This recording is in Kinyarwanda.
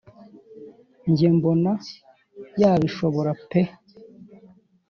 njye mbona yabishobora peuh